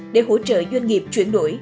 để hỗ trợ doanh nghiệp chuyển đổi